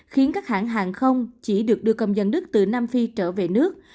khiến các hãng hàng không chỉ được đưa công dân đức từ nam phi trở về nước